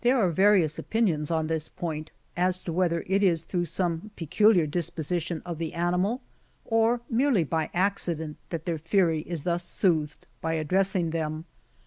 are various opinions on this point, as to whether it is through some peculiar disposition of the animal, or merely by accident, that their fury is thus soothed by addressing them.